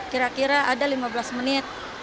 kira kira ada lima belas menit